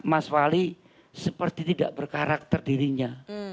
mas wali seperti tidak berkarakter dirinya